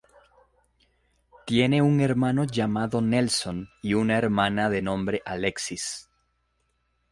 Tiene un hermano llamado Nelson y una hermana de nombre Alexis.